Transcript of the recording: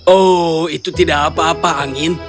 oh itu tidak apa apa angin